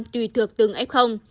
tùy thược từng f